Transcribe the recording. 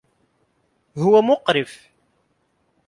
هو مقرف.